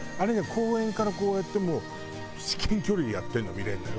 公園からこうやってもう至近距離でやってるの見れるのよ。